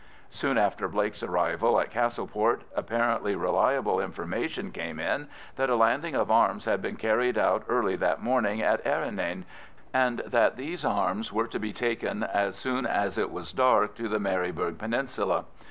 Soon after Blake's arrival at Castleport, apparently reliable information came in that a landing of arms had been carried out early that morning at Errinane, and that these arms were to be taken as soon as it was dark to the Maryburgh Peninsula.